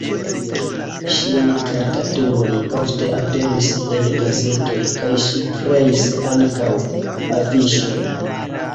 Ŝiaj karikaturoj ofte aperis en gazetoj kaj ŝi kreis ankaŭ afiŝojn.